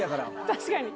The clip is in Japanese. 確かに。